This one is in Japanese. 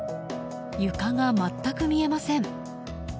床が全く見えません。